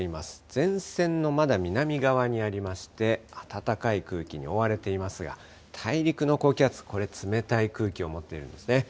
前線のまだ南側にありまして、暖かい空気に覆われていますが、大陸の高気圧、これ冷たい空気を持っているんですね。